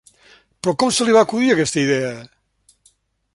Però, com se li va acudir aquesta idea?